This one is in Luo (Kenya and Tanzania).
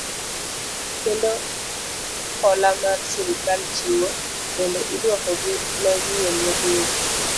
Kendo hola ma sirikal chiwo, bende iduoko gi mawiye modhuro.